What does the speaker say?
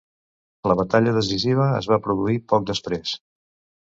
La batalla decisiva es va produir poc després.